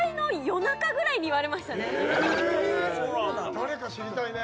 誰か知りたいね。